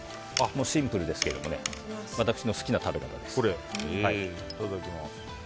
シンプルですけど私の好きな食べ方です。